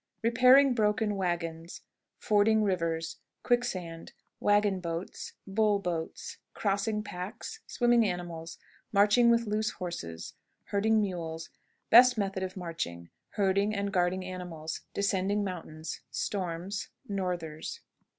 Repairing broken Wagons. Fording Rivers. Quicksand. Wagon Boats. Bull Boats. Crossing Packs. Swimming Animals. Marching with loose Horses. Herding Mules. Best Methods of Marching. Herding and guarding Animals. Descending Mountains. Storms. Northers.